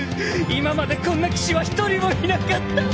今までこんな騎士は一人もいなかった！